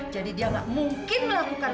jadi dia nggak mungkin melakukan